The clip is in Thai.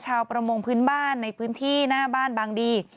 ประมงพื้นบ้านในพื้นที่หน้าบ้านบางดี